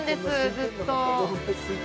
ずっと。